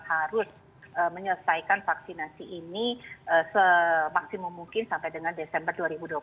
harus menyelesaikan vaksinasi ini semaksimum mungkin sampai dengan desember dua ribu dua puluh satu